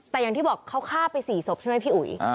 แต่อย่างที่บอกเขาฆ่าไป๔ศพใช่ไหมพี่อุ๋ย